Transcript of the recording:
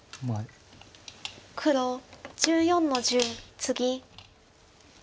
黒１４の十ツギ。